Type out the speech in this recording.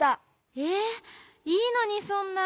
えっいいのにそんな。